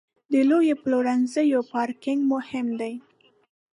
د لویو پلورنځیو پارکینګ مهم دی.